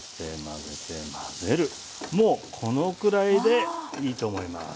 もうこのくらいでいいと思います。